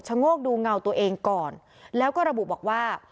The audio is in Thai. โงกดูเงาตัวเองก่อนแล้วก็ระบุบอกว่า